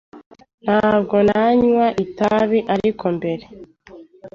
Ntabwo nanywa itabi, ariko mbere.